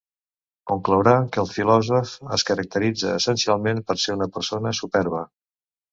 Conclourà que el filòsof es caracteritza essencialment per ser una persona superba.